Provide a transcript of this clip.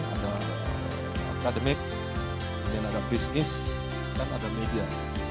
ada academic ada business dan ada media